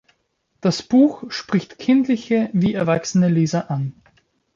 Das Buch spricht kindliche wie erwachsene Leser an.